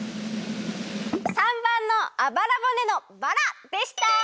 ③ばんのあばらぼねのバラでした！